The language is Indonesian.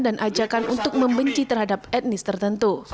dan ajakan untuk membenci terhadap etnis tertentu